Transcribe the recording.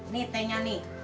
nih tehnya nih